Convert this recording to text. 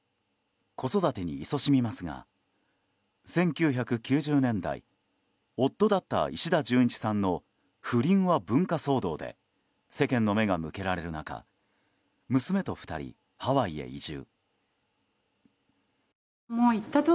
子育てにいそしみますが１９９０年代夫だった石田純一さんの「不倫は文化」騒動で世間の目が向けられる中娘と２人、ハワイへ移住。